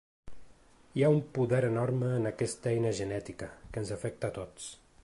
Hi ha un poder enorme en aquesta eina genètica, que ens afecta a tots.